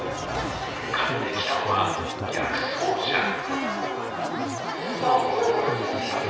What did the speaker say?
向かってきたのは、逆走車。